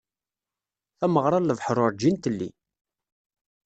Tameγra n lebḥeṛ urğin telli.